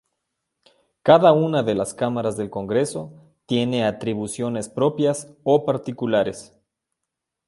Cada una de las cámaras del Congreso tiene atribuciones propias o particulares.